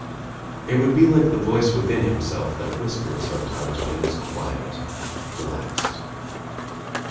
It would be like the voice within himself that whispered sometimes when he was quiet, relaxed.